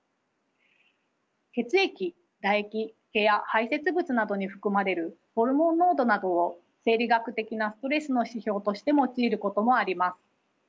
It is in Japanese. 血液唾液毛や排せつ物などに含まれるホルモン濃度などを生理学的なストレスの指標として用いることもあります。